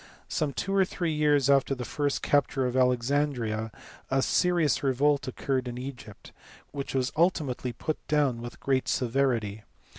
Some two or three years after the first capture of Alexandria a serious revolt occurred in Egypt, which was ultimately put down with great severity.